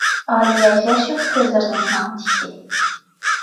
ئالىيە ياش يۇقى كۆزلىرىنى ماڭا تىكتى.